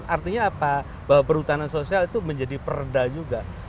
artinya apa bahwa perhutanan sosial itu menjadi perda juga